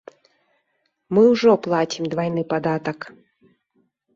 Мы ўжо плацім двайны падатак.